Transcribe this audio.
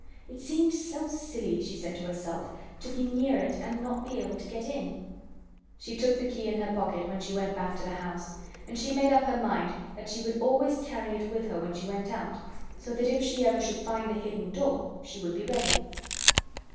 It seemed so silly, she said to herself, to be near it and not be able to get in. She took the key in her pocket when she went back to the house, and she made up her mind that she would always carry it with her when she went out, so that if she ever should find the hidden door she would be ready.